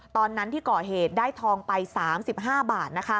ตอนที่ก่อเหตุได้ทองไป๓๕บาท